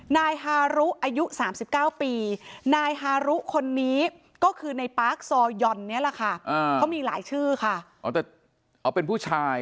นายฮารุอายุ๓๙ปีนายฮารุคนนี้ก็คือในปาร์คซอยอนเนี่ยแหละค่ะ